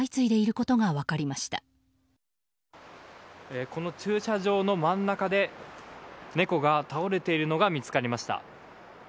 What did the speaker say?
この駐車場の真ん中で猫が倒れているのが見つかりました。